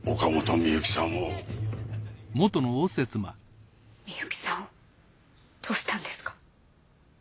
深雪さんをどうしたんですか？